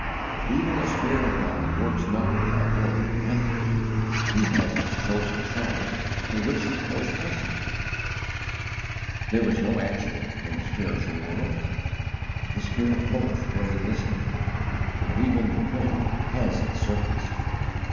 Even the Spirit of God works not without order and method; He has His chosen channels through which He pours blessing. There is no accident in the spiritual world. "The Spirit bloweth where He listeth," but even the wind has its circuits.